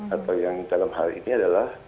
atau yang dalam hal ini adalah